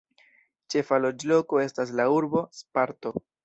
Ĉefa loĝloko estas la urbo "Sparto".